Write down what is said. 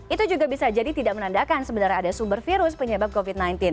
itu juga bisa jadi tidak menandakan sebenarnya ada sumber virus penyebab covid sembilan belas